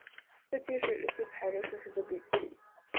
日记是以日期为排列顺序的笔记。